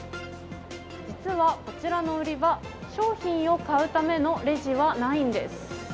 実はこちらの売り場商品を買うためのレジはないんです。